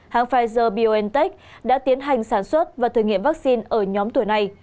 hãng pfizer biontech đã tiến hành sản xuất và thử nghiệm vaccine ở nhóm tuổi này